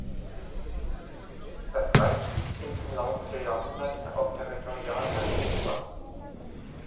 Das Reichsgut ging im Laufe der Jahrhunderte auf Territorialherren über.